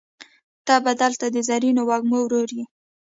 ته به دلته د زرینو وږمو ورور یې